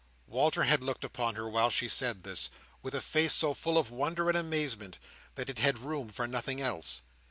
Walter had looked upon her while she said this, with a face so full of wonder and amazement, that it had room for nothing else.